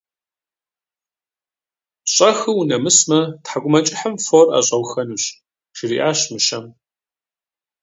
- Щӏэхыу унэмысмэ, тхьэкӏумэкӏыхьым фор ӏэщӏэухэнущ, - жриӏащ мыщэм.